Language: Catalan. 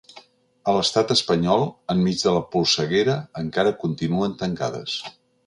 A l’estat espanyol, enmig de la polseguera, encara continuen tancades.